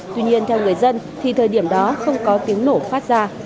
tuy nhiên theo người dân thì thời điểm đó không có tiếng nổ phát ra